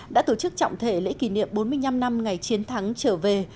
đã tổ chức trọng thể lễ kỷ niệm bốn mươi năm năm ngày chiến thắng trở về